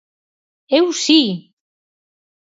Eu si!